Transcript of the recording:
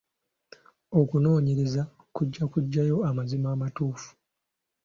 Okunoonyereza kujja kuggyayo amazima amatuufu.